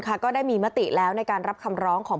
ก็ได้มีมติแล้วในการรับคำร้องของ